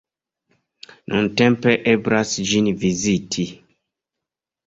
Nuntempe eblas ĝin viziti.